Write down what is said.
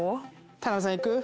田辺さん行く？